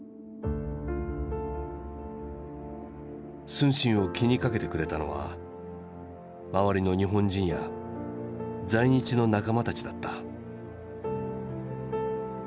承信を気にかけてくれたのは周りの日本人や在日の仲間たちだった。